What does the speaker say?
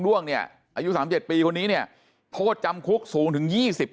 ล่วงเนี่ยอายุสามเจ็ดปีคนนี้เนี่ยโทษจำคุกสูงถึงยี่สิบ